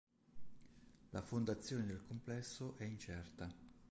La fondazione del complesso è incerta.